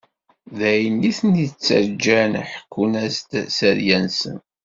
D ayen iten-ittaǧǧan ḥekkun-as-d sseriya-nsen.